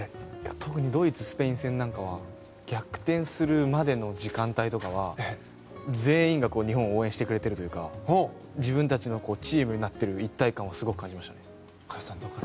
特にドイツ、スペイン戦なんかは逆転するまでの時間帯とかは全員が日本を応援してくれてるというか自分たちのチームになっている一体感はすごくありましたね。